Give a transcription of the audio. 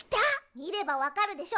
みればわかるでしょ。